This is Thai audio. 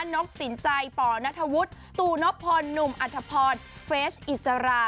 นกสินใจป่อนัทวุฒิตู่นพลหนุ่มอัธพรเฟสอิสรา